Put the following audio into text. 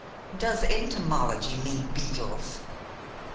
"Does entomology mean beetles?"